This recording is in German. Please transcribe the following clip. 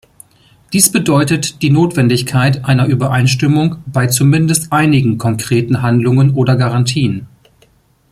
Dies bedeutet die Notwendigkeit einer Übereinstimmung bei zumindest einigen konkreten Handlungen oder Garantien.